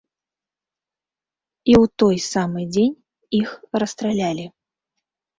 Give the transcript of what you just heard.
І ў той самы дзень іх расстралялі.